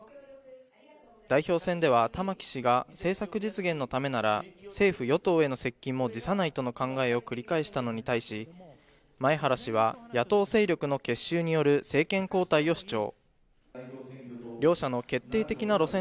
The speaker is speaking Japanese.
代表選では玉木氏が政策実現のためなら政府与党への接近も辞さないとの考えを繰り返したのに対し、前原氏は、野党勢力の結集による政権交代を主張。